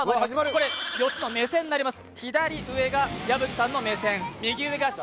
４つの目線になります。